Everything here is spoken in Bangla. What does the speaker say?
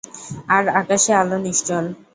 আর আকাশে আলো নিশ্চল।